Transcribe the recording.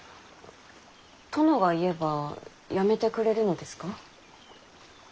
殿が言えばやめてくれるのですか？